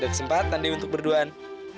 ada kesempatan deh untuk berduaan